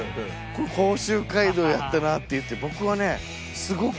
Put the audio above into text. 甲州街道やったなっていって僕はね。